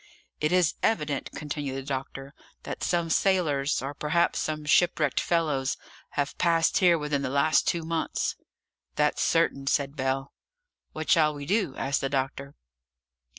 "It is evident," continued the doctor, "that some sailors, or perhaps some shipwrecked fellows, have passed here within the last two months." "That's certain," said Bell. "What shall we do?" asked the doctor.